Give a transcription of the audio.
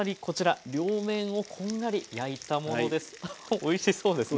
おいしそうですね